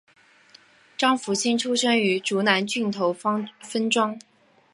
张福兴出生于竹南郡头分庄。